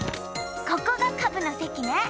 ここがカブのせきね。